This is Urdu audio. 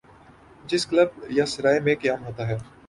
جس کلب یا سرائے میں قیام ہوتا ہے۔